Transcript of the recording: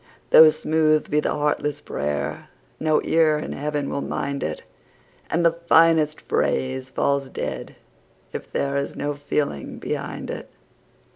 Though smooth be the heartless prayer, no ear in Heaven will mind it, And the finest phrase falls dead if there is no feeling behind it.